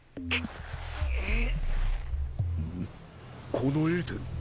このエーテル。